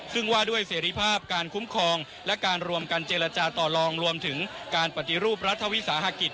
ซึ่งว่าด้วยเสรีภาพการคุ้มครองและการรวมกันเจรจาต่อลองรวมถึงการปฏิรูปรัฐวิสาหกิจ